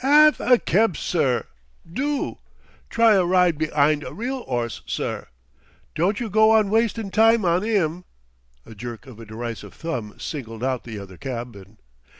'Ave a kebsir, do! Try a ride be'ind a real 'orse, sir; don't you go on wastin' time on 'im." A jerk of a derisive thumb singled out the other cabman.